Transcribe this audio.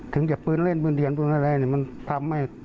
ถึงจะปืนเล่นปืนเถียปืนอะไรมันทำให้